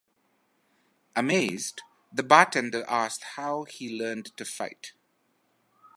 Amazed, the bartender asks how he learned to fight.